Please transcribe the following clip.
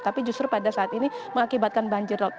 tapi justru pada saat ini mengakibatkan banjirop